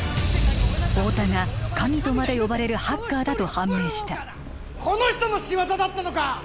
太田が神とまで呼ばれるハッカーだと判明したこの人の仕業だったのか！